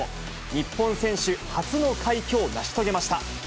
日本選手初の快挙を成し遂げました。